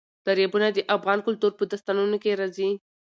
دریابونه د افغان کلتور په داستانونو کې راځي.